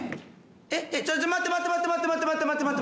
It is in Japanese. えっちょっと待って待って待って待って待って待って。